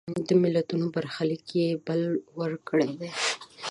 د ملتونو برخلیک یې بل وړ کړی دی.